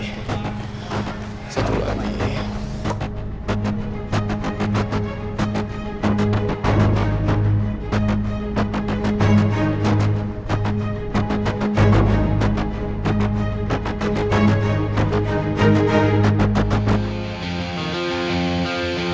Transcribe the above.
ya kalau kau tahu